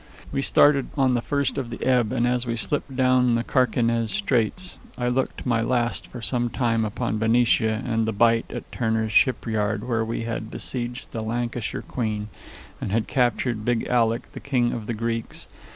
We started on the first of the ebb, and as we slipped down the Carquinez Straits, I looked my last for some time upon Benicia and the bight at Turner's Shipyard, where we had besieged the Lancashire Queen, and had captured Big Alec, the King of the Greeks.